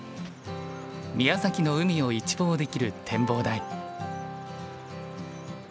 宮崎の海を一望できる展望台。